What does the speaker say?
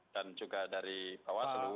dan juga dari bawah